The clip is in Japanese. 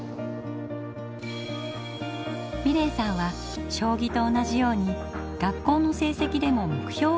美礼さんは将棋と同じように学校の成績でも目標を持っています。